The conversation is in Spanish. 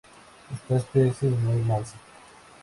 Esta especie es muy mansa.